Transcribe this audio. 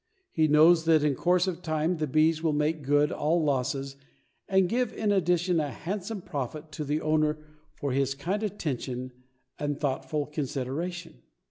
He knows that in course of time the bees will make good all losses and give in addition a handsome profit to the owner for his kind attention and thoughtful consideration.